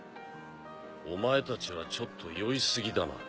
お前たちはちょっと酔い過ぎだな。